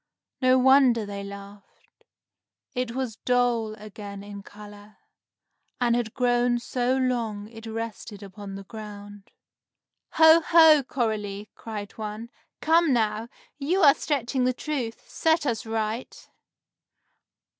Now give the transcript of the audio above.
No wonder they laughed. It was dull again in color, and had grown so long it rested upon the ground. "Ho, ho, Coralie!" cried one. "Come, now! You are stretching the truth! Set us right!"